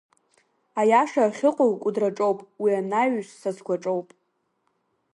Аиаша ахьыҟоу Кәыдраҿоуп, уи анаҩс са сгәаҿоуп.